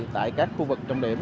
tại các khu vực trọng điểm